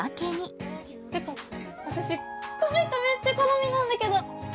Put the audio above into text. てか私この人めっちゃ好みなんだけど！